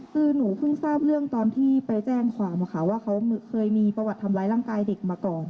คือหนูเพิ่งทราบเรื่องตอนที่ไปแจ้งความค่ะว่าเขาเคยมีประวัติทำร้ายร่างกายเด็กมาก่อน